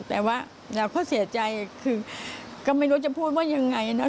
แต่ว่าเราก็เสียใจคือก็ไม่รู้จะพูดว่ายังไงเนอ